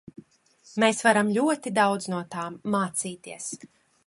Mēs varam ļoti daudz no tām mācīties.